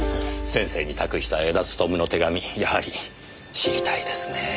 先生に託した江田勉の手紙やはり知りたいですねぇ。